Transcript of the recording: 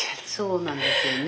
そうなんですよね。